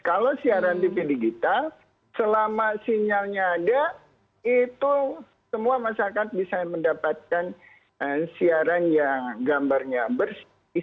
kalau siaran tv digital selama sinyalnya ada itu semua masyarakat bisa mendapatkan siaran yang gambarnya bersih